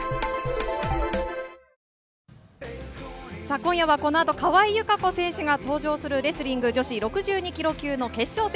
今夜はこのあと、川井友香子選手が登場するレスリング女子６２キロ級の決勝戦。